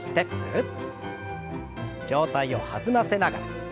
上体を弾ませながら。